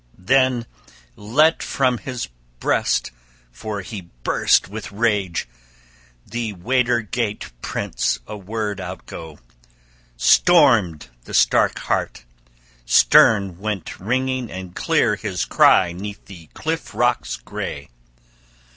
Then let from his breast, for he burst with rage, the Weder Geat prince a word outgo; stormed the stark heart; stern went ringing and clear his cry 'neath the cliff rocks gray.